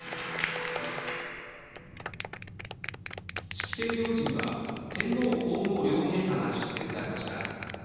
式典行事には天皇皇后両陛下が出席されました。